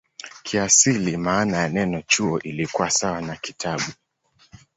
Kiasili maana ya neno "chuo" ilikuwa sawa na "kitabu".